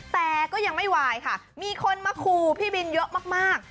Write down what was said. แต่ก็ยังไม่วายค่ะมีคนมาขู่พี่บินเยอะมาก